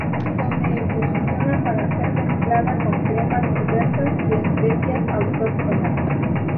Donde evoluciona para ser mezclada con cremas diversas, y especias autóctonas.